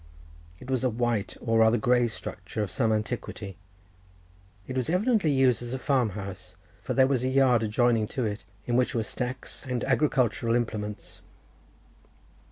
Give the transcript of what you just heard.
It was a white, or rather grey structure of some antiquity. It was evidently used as a farm house, for there was a yard adjoining to it, in which were stacks and agricultural implements.